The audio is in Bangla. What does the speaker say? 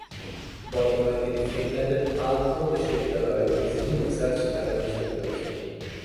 বর্তমানে তিনি ফিনল্যান্ডের আলতো বিশ্ববিদ্যালয়ে ভিজিটিং রিসার্চ ফেলো হিসেবে রয়েছেন।